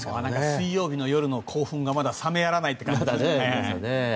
水曜日の夜の興奮がまだ冷めやらないって感じだよね。